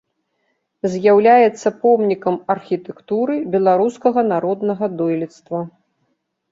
З'яўляецца помнікам архітэктуры беларускага народнага дойлідства.